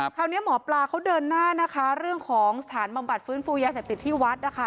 คราวนี้หมอปลาเขาเดินหน้านะคะเรื่องของสถานบำบัดฟื้นฟูยาเสพติดที่วัดนะคะ